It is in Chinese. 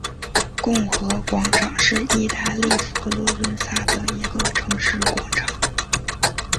共和广场是意大利佛罗伦萨的一个城市广场。